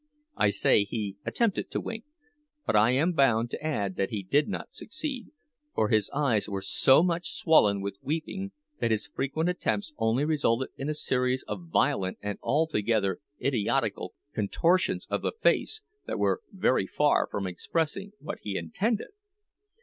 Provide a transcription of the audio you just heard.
I say he attempted to wink, but I am bound to add that he did not succeed; for his eyes were so much swollen with weeping that his frequent attempts only resulted in a series of violent and altogether idiotical contortions of the face, that were very far from expressing what he intended.